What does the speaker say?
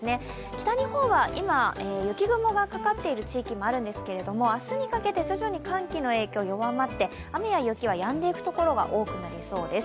北日本は今、雪雲がかかっている地域もあるんですけど明日にかけて徐々に寒気の影響弱まって、雨や雪はやんでいく所が多くなりそうです。